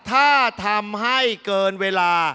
ถ้าทำให้เกินเวลา